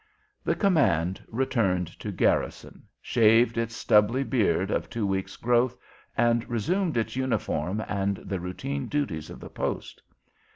The command returned to garrison, shaved its stubbly beard of two weeks' growth, and resumed its uniform and the routine duties of the post.